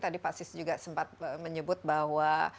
tadi pak sis juga sempat menyebut bahwa